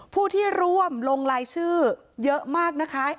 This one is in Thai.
ผู้ที่ร่วมลงรายชื่อเยอะมากนะคะ